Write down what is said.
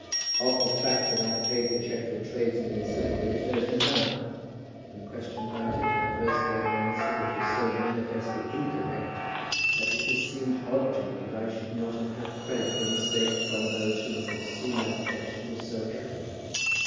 Of the fact that I paid the cheque to a tradesman in Silverbridge there is no doubt. When questioned about it, I first gave an answer which was so manifestly incorrect that it has seemed odd to me that I should not have had credit for a mistake from those who must have seen that detection was so evident.